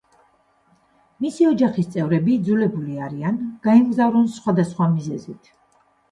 მისი ოჯახის წევრები იძულებულები არიან, გაემგზავრონ სხვადასხვა მიზეზით.